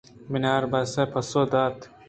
بناربس ءَ پسو دا ت